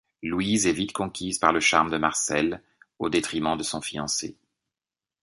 Louise est vite conquise par le charme de Marcel, au détriment de son fiancé.